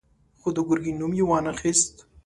خو د ګرګين نوم يې وانه خيست.